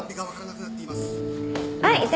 はい。